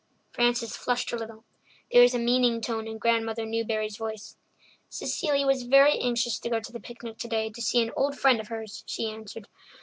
Frances flushed a little. There was a meaning tone in Grandmother Newbury's voice. "Cecilia was very anxious to go to the picnic today to see an old friend of hers," she answered.